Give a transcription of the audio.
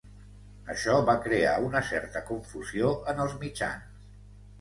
Això va crear una certa confusió en els mitjans.